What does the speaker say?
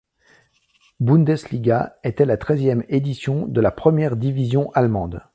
Bundesliga était la treizième édition de la première division allemande.